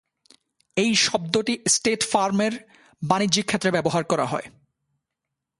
এই শব্দটি স্টেট ফার্মের বাণিজ্যিক ক্ষেত্রে ব্যবহার করা হয়।